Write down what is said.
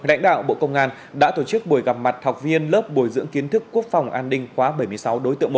lãnh đạo bộ công an đã tổ chức buổi gặp mặt học viên lớp bồi dưỡng kiến thức quốc phòng an ninh quá bảy mươi sáu đối tượng một